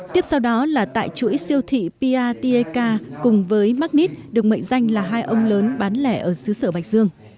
tiếp sau đó là tại chuỗi siêu thị piatieka cùng với magnet được mệnh danh là hai ông lớn bán lẻ ở xứ sở bạch dương